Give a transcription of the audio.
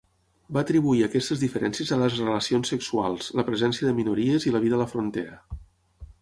Va atribuir aquestes diferències a les relacions sexuals, la presència de minories i la vida a la frontera.